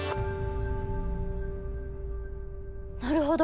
なるほど。